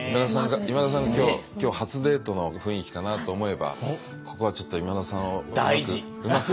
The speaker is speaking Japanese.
今田さんが今日初デートの雰囲気かなと思えばここはちょっと今田さんをうまく。